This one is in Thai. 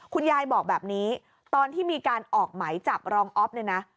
คุณยายบอกแบบนี้ตอนที่มีการออกไหมจับรองอ๊อฟเนี่ยนะ